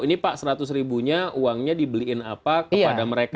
ini pak seratus ribunya uangnya dibeliin apa kepada mereka